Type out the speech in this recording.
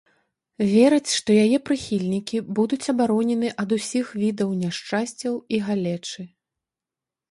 Вераць, што яе прыхільнікі будуць абаронены ад усіх відаў няшчасцяў і галечы.